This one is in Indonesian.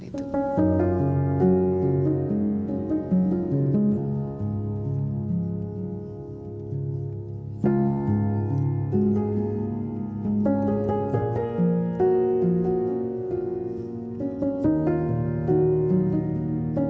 kami berharap berharap